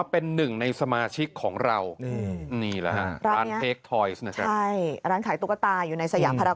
โปรดติดตามตอนต่อไป